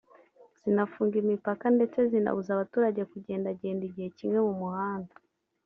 zinafunga imipaka ndetse zinabuza abaturage kugendagenda igihe kimwe mu muhanda